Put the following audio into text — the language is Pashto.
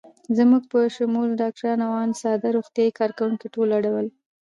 زموږ په شمول ډاکټران او آن ساده روغتیايي کارکوونکي ټول اړ ول.